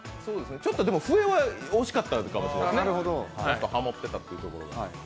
ちょっと笛は惜しかったかもしれないですね、ハモっていたというところが。